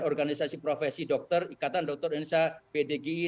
organisasi profesi dokter ikatan dokter indonesia bdgi